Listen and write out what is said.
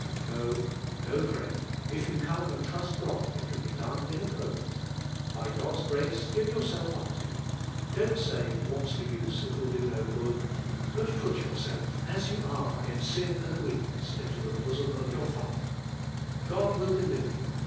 No, no, friend, if you come arid trust God il can In' done in :i iin nl. \\\' ilml's grace give yourself up to Him. Don't say, "What's the use? it will do no good"; but pin yourself, as you are in sin and weak ness, into the bosom of your Father, i nril will deliver you.